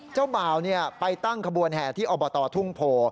เจ้าบ่าวไปตั้งขบวนแห่ที่อบตทุ่งโพ